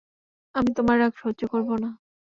আমি তোমার রাগ সহ্য করব না।